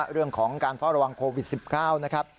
เรื่องของการเฝ้าระวังโควิด๑๙นะครับ